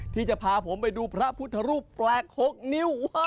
ที่จะพาผมไปดูพระพุทธรูปแปลก๖นิ้ว